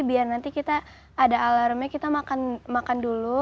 biar nanti kita ada alarmnya kita makan dulu